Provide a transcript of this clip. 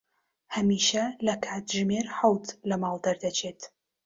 هەمیشە لە کاتژمێر حەوت لە ماڵ دەردەچێت.